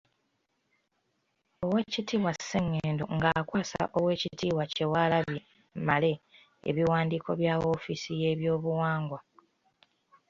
Oweekitiibwa Ssengendo ng'akwasa oweekitiibwa Kyewalabye Male ebiwandiiko bya woofiisi y'ebyobuwangwa.